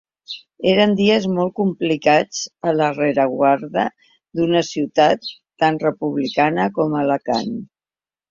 Eren dies molt complicats a la rereguarda d’una ciutat tan republicana com Alacant.